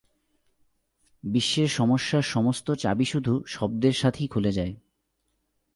বিশ্বের সমস্যার সমস্ত চাবি শুধু শব্দের সাথেই খুলে যায়।